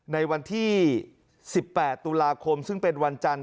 ในวันที่๑๘ตุลาคมซึ่งเป็นวันจันทร์